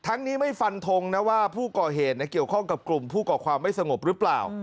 นี้ไม่ฟันทงนะว่าผู้ก่อเหตุเกี่ยวข้องกับกลุ่มผู้ก่อความไม่สงบหรือเปล่า